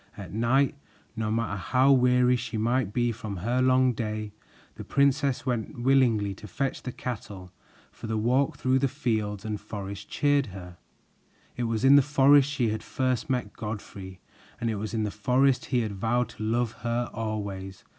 At night, no matter how weary she might be from her long day, the princess went willingly to fetch the cattle, for the walk through the fields and forest cheered her. It was in the forest she had first met Godfrey, and it was in the forest he had vowed to love her always.